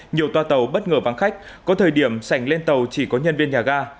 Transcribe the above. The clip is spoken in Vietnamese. nhiều toa tàu bất ngờ vắng khách có thời điểm sảnh lên tàu chỉ có nhân viên nhà ga